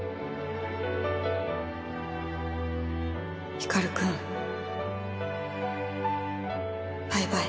光くんバイバイ。